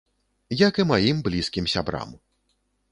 Як і маім блізкім сябрам.